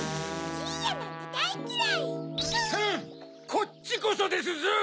こっちこそですぞ！